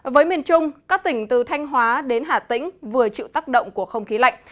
với miền trung các tỉnh từ thanh hóa đến hà tĩnh vừa chịu tác động của không khí lạnh